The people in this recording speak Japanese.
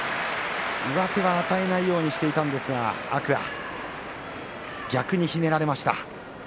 上手は与えないようにしていたんですが天空海逆に入れられました。